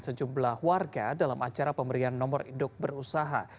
sejumlah warga dalam acara pemberian nomor induk berusaha